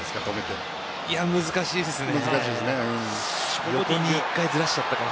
難しいですね。